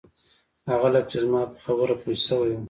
هغه لکه چې زما په خبره پوی شوی و.